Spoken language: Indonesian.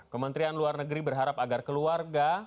kementerian luar negeri berharap agar keluarga